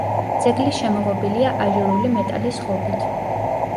ძეგლი შემოღობილია აჟურული მეტალის ღობით.